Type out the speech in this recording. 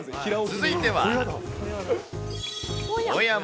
続いては。